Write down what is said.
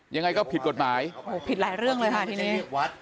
ยังไงก็ผิดกฎหมายโอ้โหผิดหลายเรื่องเลยค่ะทีนี้